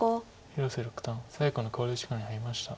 広瀬六段最後の考慮時間に入りました。